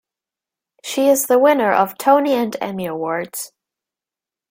She is the winner of Tony and Emmy awards.